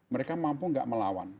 mereka mampu tidak melawan